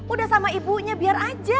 udah sama ibunya biar aja